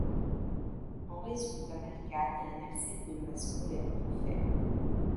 En résultent un alcane et un alcène de masse molaire plus faible.